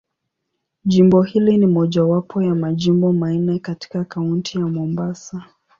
Jimbo hili ni mojawapo ya Majimbo manne katika Kaunti ya Mombasa.